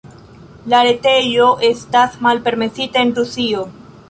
La retejo estas malpermesita en Rusio.